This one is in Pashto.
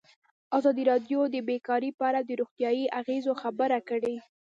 ازادي راډیو د بیکاري په اړه د روغتیایي اغېزو خبره کړې.